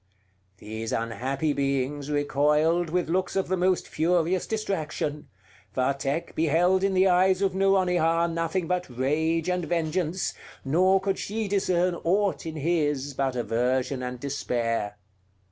These unhappy beings recoiled with looks of the most furious distraction; Vathek beheld in the eyes of Nouronihar nothing but rage and vengeance, nor could she discern aught in his but aversion and despair.